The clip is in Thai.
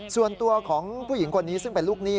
ส่วนตัวของผู้หญิงคนนี้ซึ่งเป็นลูกหนี้